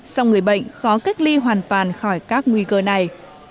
sau người bệnh khó cách ly hoàn toàn khỏi các nguy cơ này